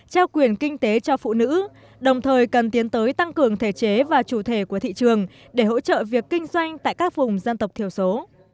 trao quyền kinh tế cho phụ nữ đồng thời cần tiến tới tăng cường thể chế và chủ thể của thị trường để hỗ trợ việc kinh doanh tại các vùng dân tộc thiểu số